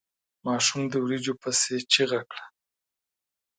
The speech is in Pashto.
ماشوم د وريجو پسې چيغه کړه.